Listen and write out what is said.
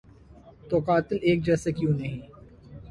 تو قاتل ایک جیسے کیوں نہیں؟